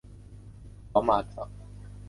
沼生马先蒿沼生是列当科马先蒿属的植物。